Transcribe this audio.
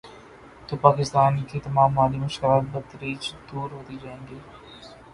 تو پاکستان کی تمام مالی مشکلات بتدریج دور ہوتی جائیں گی۔